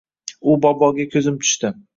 U boboga ko‘zim tushdi.